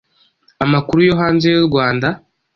Amakuru yo hanze y urwanda